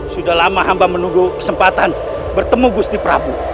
sudah lama hamba menunggu kesempatan bertemu gusti prabu